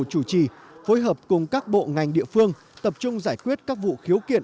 chủ trì phối hợp cùng các bộ ngành địa phương tập trung giải quyết các vụ khiếu kiện